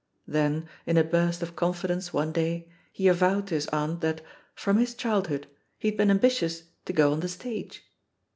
Then, in a burst of confidence one day, he avowed to his aimt that, from his childhood, he had been ambitious to go on the stage.